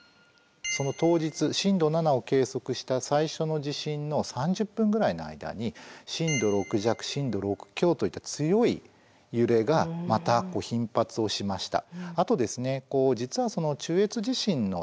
その当日震度７を計測した最初の地震の３０分くらいの間に震度６弱震度６強といった強い揺れがまた頻発をしました。